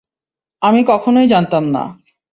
আমি কখনোই জানতাম না।